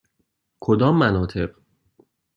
کدام مناطق؟